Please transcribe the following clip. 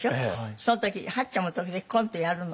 その時八ちゃんも時々コントやるの。